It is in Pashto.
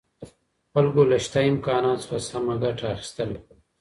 خلګو له شته امکاناتو څخه سمه ګټه اخیستله.